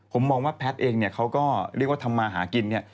ผมมองว่าแพทย์เองเขาก็เรียกว่าทำมาหากิน